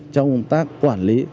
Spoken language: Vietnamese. trong công tác quản lý cư trị